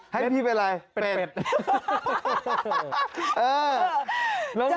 ให้พี่เป็นอะไรเป็ด